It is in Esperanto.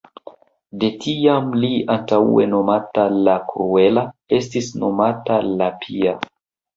De tiam li, antaŭe nomata "la kruela", estis nomata "la pia".